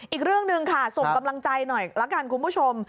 อีกเรื่องหนึ่งค่ะส่งกำลังใจหน่อยละกันคุณผู้ชม